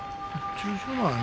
千代翔馬